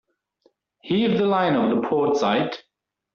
Heave the line over the port side.